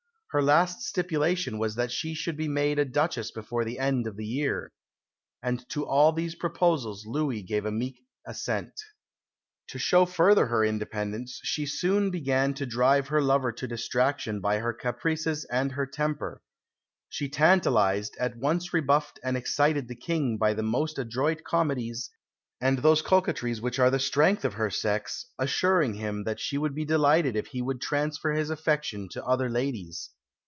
Her last stipulation was that she should be made a Duchess before the end of the year. And to all these proposals Louis gave a meek assent. To show further her independence, she soon began to drive her lover to distraction by her caprices and her temper: "She tantalised, at once rebuffed and excited the King by the most adroit comedies and those coquetries which are the strength of her sex, assuring him that she would be delighted if he would transfer his affection to other ladies."